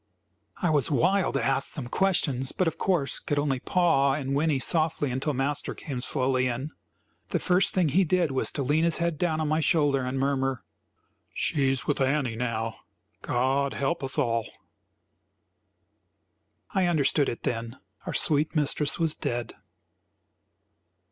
I was wild to ask some questions, but of course could only paw and whinny softly until Master came slowly in. The first thing he did was to lean his head down on my shoulder and murmur. "She's with Annie now; God help us all!" I understood it then; our sweet mistress was dead.